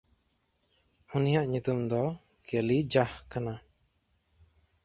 ᱩᱱᱤᱭᱟᱜ ᱧᱩᱛᱩᱢ ᱫᱚ ᱠᱮᱞᱤᱡᱟᱦ ᱠᱟᱱᱟ᱾